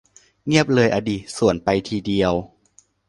เงียบเลยอะดิ สวนไปทีเดียว